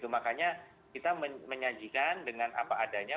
makanya kita menyajikan dengan apa adanya